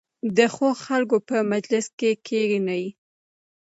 د ښو خلکو په مجلس کې کښېنئ.